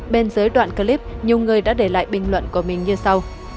bên dưới đoạn clip nhiều người đã để lại bình luận của mình như sau